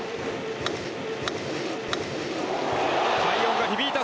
快音が響いた！